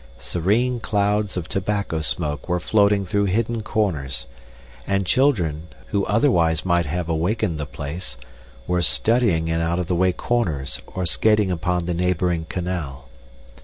Serene clouds of tobacco smoke were floating through hidden corners, and children, who otherwise might have awakened the place, were studying in out of the way corners or skating upon the neighboring canal.